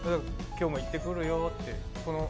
今日も行ってくるよって。